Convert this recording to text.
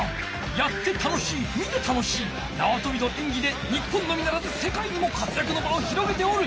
やって楽しい見て楽しいなわとびのえんぎで日本のみならずせかいにもかつやくの場を広げておる！